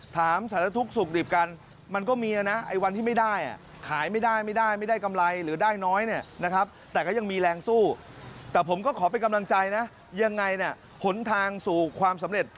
แต่ผมก็ขอเป็นกำลังใจนะยังไงนะผลทางสู่ความสำเร็จ